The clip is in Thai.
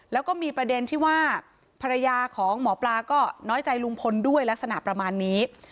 แล้วก็มีประเด็นที่ว่าภรรยาของหมอปลาก็น้อยใจลุงพลด้วยลักษณะประมาณนี้